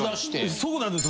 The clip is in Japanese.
そうなんです。